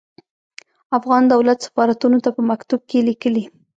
افغان دولت سفارتونو ته په مکتوب کې ليکلي.